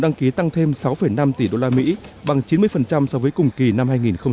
đăng ký tăng thêm sáu năm tỷ đô la mỹ bằng chín mươi so với cùng kỳ năm hai nghìn một mươi bảy